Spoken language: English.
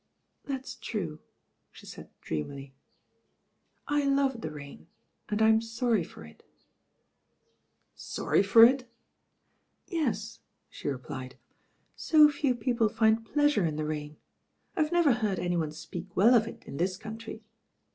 "That's true," she said dreamily. "I love the rain, and I'm sorry for it." "Sorry for it?" "Yes," she replied, "so few people find pleasure in the rain. I've never heard any one speak well of it in this country.